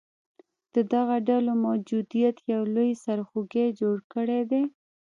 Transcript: د دغه ډلو موجودیت یو لوی سرخوږې جوړ کړیدی